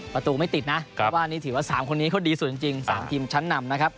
ประตูไม่ติดนะเพราะว่านี่ถือว่า๓คนนี้เขาดีสุดจริง๓ทีมชั้นนำนะครับ